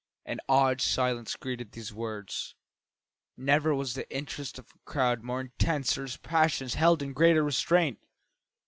An awed silence greeted these words. Never was the interest of a crowd more intense or its passions held in greater restraint.